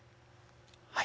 はい。